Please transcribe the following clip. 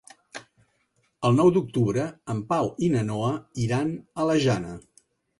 El nou d'octubre en Pau i na Noa iran a la Jana.